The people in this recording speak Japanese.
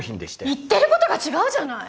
言ってることが違うじゃない！